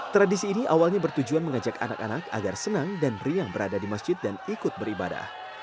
tradisi ini awalnya bertujuan mengajak anak anak agar senang dan riang berada di masjid dan ikut beribadah